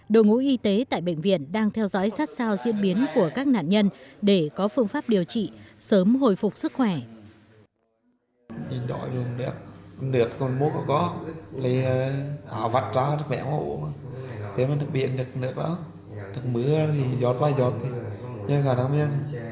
đội ngũ y tế tại bệnh viện đang theo dõi sát sao diễn biến của các nạn nhân để có phương pháp điều trị sớm hồi phục sức khỏe